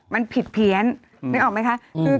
มันติดคุกออกไปออกมาได้สองเดือน